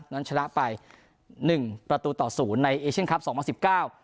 นั้นชนะไปหนึ่งประตูต่อศูนย์ในเอเชียนคลับสองพันสิบเก้า